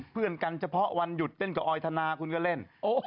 เพื่อนกันเฉพาะวันหยุดเต้นกับออยธนาคุณก็เล่น